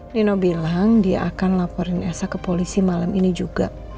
nino bilang dia akan laporin esa ke polisi malam ini juga